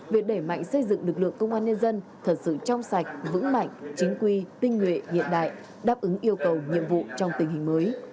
việc đẩy mạnh xây dựng lực lượng công an nhân dân thật sự trong sạch vững mạnh chính quy tinh nguyện hiện đại đáp ứng yêu cầu nhiệm vụ trong tình hình mới